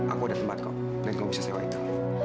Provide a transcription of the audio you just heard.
aku ada tempat kok lain kamu bisa sewa itu